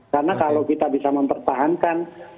karena kalau kita bisa mempertahankan